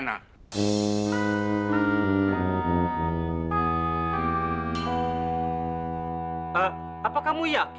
senang sekali mama pa